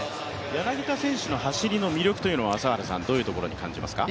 柳田選手の走りの魅力は、朝原さんはどういうところに感じますか？